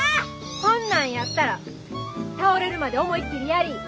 ほんなんやったら倒れるまで思いっきりやりい。